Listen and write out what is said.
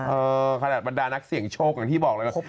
เออขนาดบันดาลนักเสียงโชคอย่างที่บอกเลย